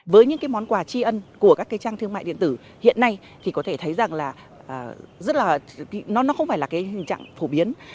với những món quà chi ân của các trang thương mại điện tử hiện nay thì có thể thấy rằng là nó không phải là hình trạng phổ biến